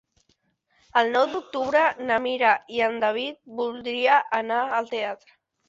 El nou d'octubre na Mira i en David voldria anar al teatre.